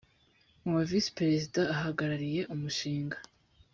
mu ba visi perezida ahagarariye umushinga